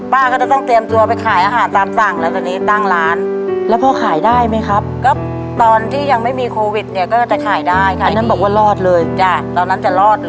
ป้าก็จะต้องเตรียมตัวไปขายอาหารตามสั่งแล้วตอนนี้ตั้งร้าน